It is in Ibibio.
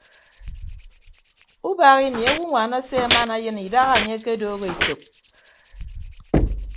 Ubaak ini awonwaan ase aman ayịn idaha anye akedooho etәk.